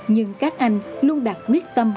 nhưng các anh luôn đặt nguyết tâm